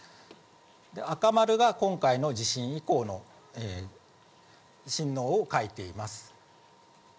赤丸が今回の地震以降の震度を書いています。